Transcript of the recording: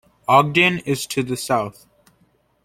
Ogden is to the south.